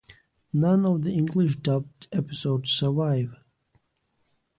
None of the English dubbed episodes survive.